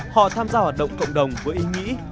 họ tham gia hoạt động cộng đồng với ý nghĩa